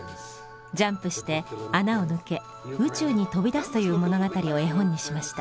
ジャンプして穴を抜け宇宙に飛び出すという物語を絵本にしました。